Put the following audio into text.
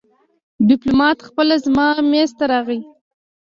ډيپلومات خپله زما مېز ته راغی.